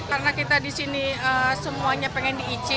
karena kita disini semuanya pengen diicin